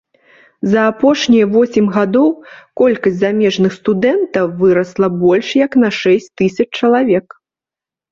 За апошнія восем гадоў колькасць замежных студэнтаў вырасла больш як на шэсць тысяч чалавек.